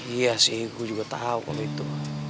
iya sih gue juga tahu kalau itu